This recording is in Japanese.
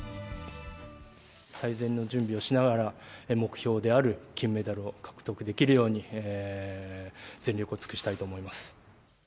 最善の準備をしながら、目標である金メダルを獲得できるように、全力を尽くしたいと思います。